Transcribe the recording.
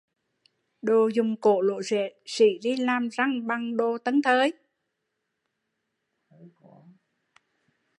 Đồ dùng cổ lỗ sĩ làm răng bằng đồ tân thời